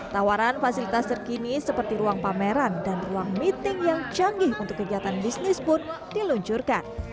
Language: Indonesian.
tawaran fasilitas terkini seperti ruang pameran dan ruang meeting yang canggih untuk kegiatan bisnis pun diluncurkan